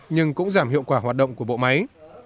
nhưng cũng giảm hiệu quả hoạt động của bộ máy